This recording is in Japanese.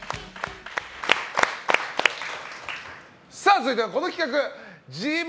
続いては、この企画。